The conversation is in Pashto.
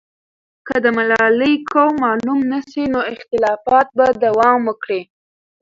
که د ملالۍ قوم معلوم نه سي، نو اختلافات به دوام وکړي.